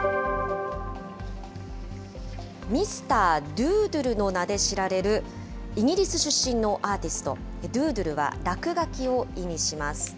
ミスター・ドゥードゥルの名で知られる、イギリス出身のアーティスト、ドゥードゥルは落書きを意味します。